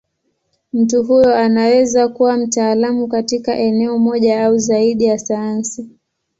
Mtu huyo anaweza kuwa mtaalamu katika eneo moja au zaidi ya sayansi.